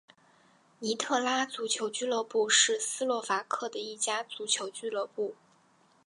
尼特拉足球俱乐部是斯洛伐克的一家足球俱乐部。